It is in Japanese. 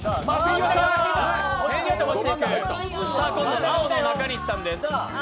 今度は青の中西さんです。